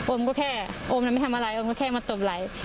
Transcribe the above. โอ้มก็แค่โอ้มมันไม่ทำอะไรโอ้มก็แค่มาตบไหล